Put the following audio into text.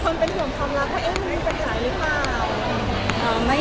น่าจะถูกใจหลายคนเพื่อนอะไรอย่างนี้